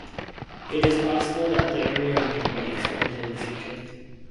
It is possible that the area may be expanded in the future.